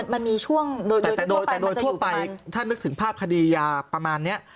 แต่โดยทั่วไปถ้านึกถึงภาพคดียาประมาณนี้